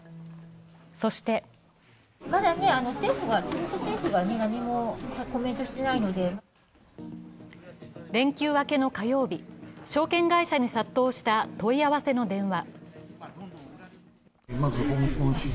そして連休明けの火曜日、証券会社に殺到した問い合わせの電話。